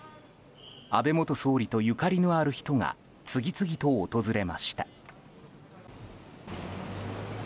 安倍元総理とゆかりのある人が次々と訪れました。